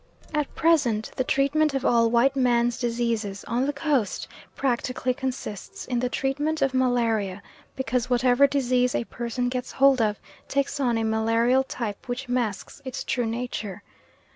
At present the treatment of all white man's diseases on the Coast practically consists in the treatment of malaria, because whatever disease a person gets hold of takes on a malarial type which masks its true nature.